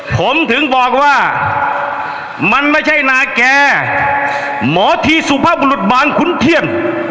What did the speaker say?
ผมถึงบอกว่ามันไม่ใช่นาแก่หมอทีสุภาพบุรุษบาลขุนเทียน